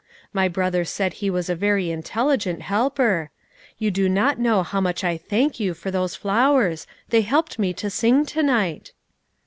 My brother said he was a very intelligent helper. You do not know how much I thank you for those flowers. They helped me to sing to night.'